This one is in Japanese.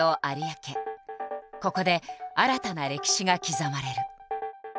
ここで新たな歴史が刻まれる。